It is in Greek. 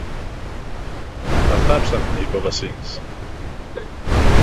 Το θάψαμε, είπε ο Βασίλης.